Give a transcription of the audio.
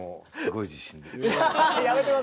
すごいね。